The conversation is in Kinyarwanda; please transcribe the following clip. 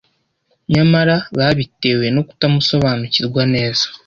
nyamara babitewe no kutamusobanukirwa neza